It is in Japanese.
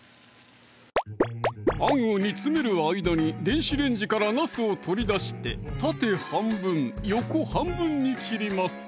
あんを煮詰める間に電子レンジからなすを取り出して縦半分横半分に切ります